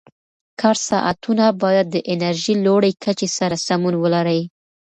کار ساعتونه باید د انرژۍ لوړې کچې سره سمون ولري.